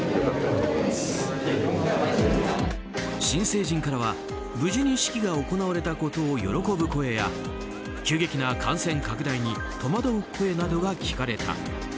新成人からは、無事に式が行われたことを喜ぶ声や急激な感染拡大に戸惑う声などが聞かれた。